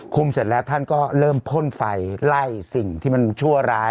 เสร็จแล้วท่านก็เริ่มพ่นไฟไล่สิ่งที่มันชั่วร้าย